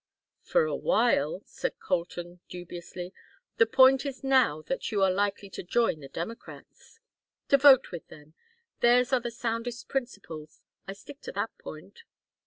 "For a while," said Colton, dubiously. "The point is now that you are likely to join the Democrats." "To vote with them. Theirs are the soundest principles. I stick to that point."